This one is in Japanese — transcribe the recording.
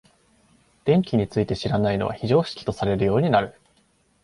電気について知らないのは非常識とされるようになる。